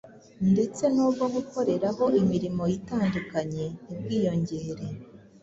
ndetse n’ubwo gukoreraho imirimo itandukanye ntibwiyongere.